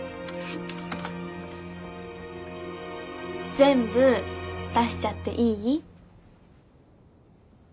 全部出しちゃっていい？